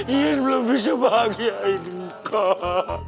iyan belum bisa bahagiain kak